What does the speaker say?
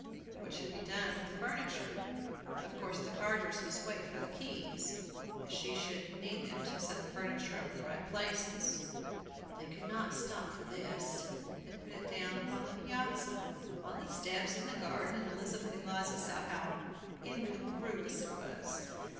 What should be done with the furniture? Of course the carters must wait for the keys, as she should need them to set the furniture up in the right places. But they could not stop for this. They put it down upon the piazza, on the steps, in the garden, and Elizabeth Eliza saw how incongruous it was!